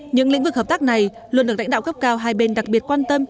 những lĩnh vực hợp tác này luôn được lãnh đạo cấp cao hai bên đặc biệt quan tâm